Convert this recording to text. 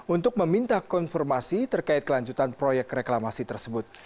untuk meminta konfirmasi terkait kelanjutan proyek reklamasi tersebut